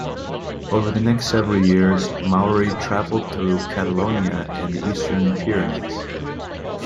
Over the next several years Maury traveled through Catalonia and the eastern Pyrenees.